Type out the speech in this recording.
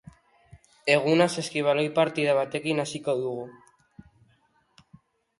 Eguna saskibaloi partida batekin hasiko dugu.